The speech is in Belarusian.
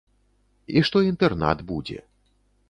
І што інтэрнат будзе.